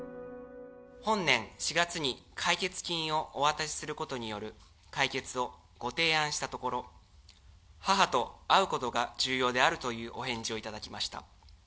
本年４月に解決金をお渡しすることによる解決をご提案したところ、母と会うことが重要であるというお返事をいただきました。